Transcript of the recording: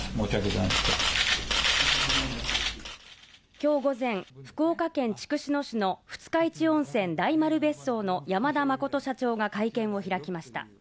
今日午前、福岡県筑紫野市の二日市温泉大丸別荘の山田真社長が会見を開きました。